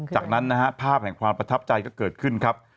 จากนั้นนะฮะภาพแห่งความประทับใจก็เกิดขึ้นครับ